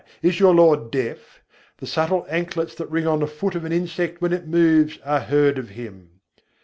Is your Lord deaf? The subtle anklets that ring on the feet of an insect when it moves are heard of Him.